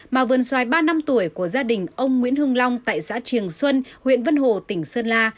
mà vườn xoài ba năm tuổi của gia đình ông nguyễn hưng long tại xã triềng xuân huyện vân hồ tỉnh sơn la